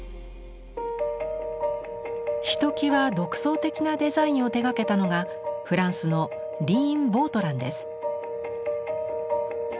ひときわ独創的なデザインを手がけたのがフランスのリーン・ヴォートランです。